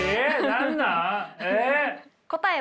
何なん？え。